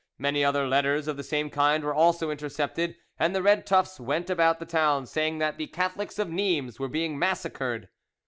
Many other letters of the same kind were also intercepted, and the red tufts went about the town saying that the Catholics of Nimes were being massacred.